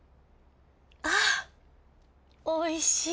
あおいしい。